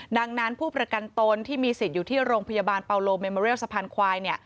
ดังนั้นผู้ประกันตนที่มีสิทธิ์อยู่ที่โรงพยาบาลเปาโลเมมอเรียลสะพานควาย